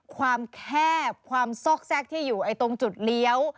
ความแคบความซอกแทรกที่อยู่ตรงจุดเลี้ยว